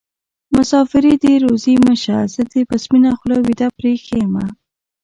مسافري دې روزي مه شه زه دې په سپينه خولې ويده پرې ايښې ومه